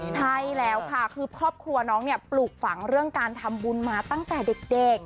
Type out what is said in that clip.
ใช่แล้วค่ะคือครอบครัวน้องเนี่ยปลูกฝังเรื่องการทำบุญมาตั้งแต่เด็ก